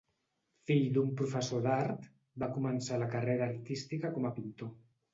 Fill d'un professor d’Art, va començar la carrera artística com a pintor.